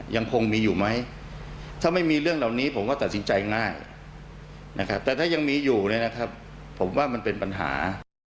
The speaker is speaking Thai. ยังคงมีอยู่ไหมถ้าไม่มีเรื่องเหล่านี้ผมก็ตัดสินใจง่ายนะครับแต่ถ้ายังมีอยู่เนี่ยนะครับผมว่ามันเป็นปัญหา